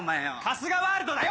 春日ワールドだよ！